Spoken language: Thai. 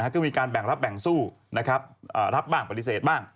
ก็มีการแบ่งรับแบ่งสู้รับบ้างปฏิเสธบ้าง